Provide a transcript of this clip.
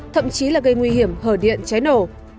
thậm chí là gây nguy hiểm hở điện cháy nổ